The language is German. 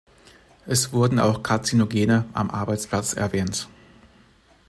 Es wurden auch Karzinogene am Arbeitsplatz erwähnt.